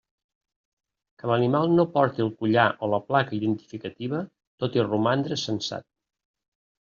Que l'animal no porti el collar o la placa identificativa tot i romandre censat.